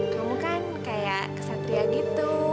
kamu kan kayak kesatria gitu